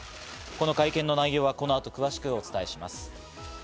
この会見の内容はこの後詳しくお伝えします。